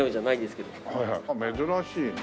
珍しいね。